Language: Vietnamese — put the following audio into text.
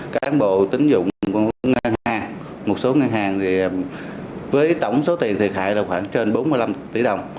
các cán bộ tín dụng của một số ngân hàng với tổng số tiền thiệt hại là khoảng trên bốn mươi năm tỷ đồng